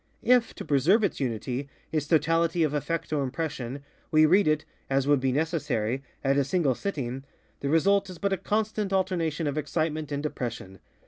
If, to preserve its UnityŌĆöits totality of effect or impressionŌĆöwe read it (as would be necessary) at a single sitting, the result is but a constant alternation of excitement and depression.